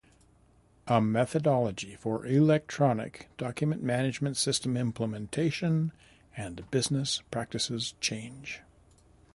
A Methodology for Electronic Document Man- agement System Implementation and Business Practices Change.